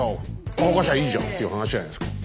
乾かしゃいいじゃんっていう話じゃないですか。